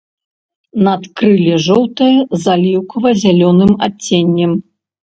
Надкрылле жоўтае з аліўкава-зялёным адценнем.